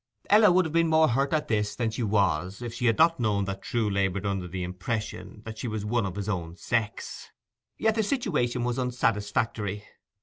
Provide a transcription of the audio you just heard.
Ella would have been more hurt at this than she was if she had not known that Trewe laboured under the impression that she was one of his own sex. Yet the situation was unsatisfactory.